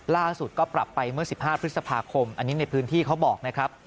ล่าสุดก็ปรับไปเมื่อ๑๕พฤษภาคมอันนี้ในพื้นที่เขาบอกนะครับ